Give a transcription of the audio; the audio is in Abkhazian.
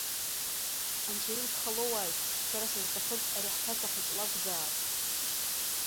Анцәа илԥха лоуааит, сара сызҭахыз ари ҳҭаца хәыҷы лакәзаап!